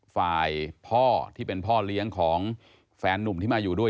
ฝ่ายพ่อที่เป็นพ่อเลี้ยงของแฟนนุ่มที่มาอยู่ด้วย